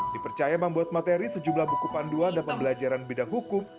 dipercaya membuat materi sejumlah buku panduan dan pembelajaran bidang hukum